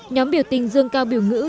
nhóm biểu tình dương cao biểu ngữ